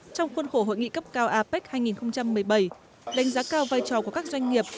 trong khuôn khổ hội nghị cấp cao apec hai nghìn một mươi bảy đánh giá cao vai trò của các doanh nghiệp